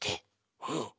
うん！